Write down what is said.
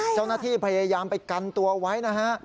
เจ้าหน้าที่พยายามไปกันตัวไว้นะฮะ